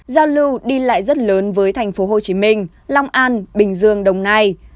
giao lưu đi lại rất lớn với thành phố hồ chí minh long an bình dương đồng nai